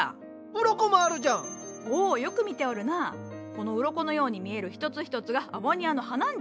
このうろこのように見える一つ一つがアボニアの葉なんじゃ。